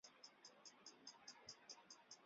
隐棘鳚科为辐鳍鱼纲鲈形目的其中一个科。